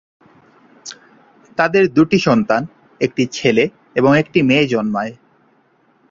তাদের দুটি সন্তান- একটি ছেলে এবং একটি মেয়ে জন্মায়।